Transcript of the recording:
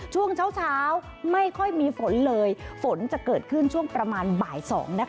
ช่วงเช้าไม่ค่อยมีฝนเลยฝนจะเกิดขึ้นช่วงประมาณบ่าย๒นะคะ